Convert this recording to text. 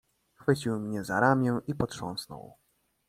"Chwycił mnie za ramię i potrząsnął."